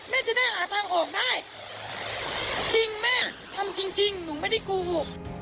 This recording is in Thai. แม่จะได้หลากทางออกได้จริงแม่ทำจริงจริงหนูไม่ได้กลัวพูด